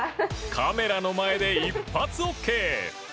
カメラの前で一発ＯＫ。